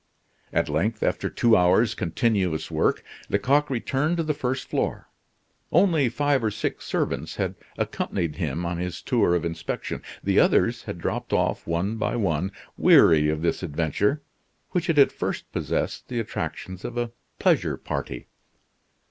At length, after two hours' continuous work, Lecoq returned to the first floor. Only five or six servants had accompanied him on his tour of inspection. The others had dropped off one by one, weary of this adventure, which had at first possessed the attractions of a pleasure party.